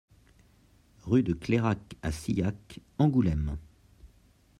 Rue de Clérac à Sillac, Angoulême